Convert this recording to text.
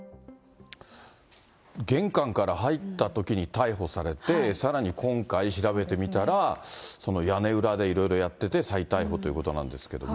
玄関から入ったときに逮捕されて、さらに今回、調べてみたら、屋根裏でいろいろやってて再逮捕ということなんですけども。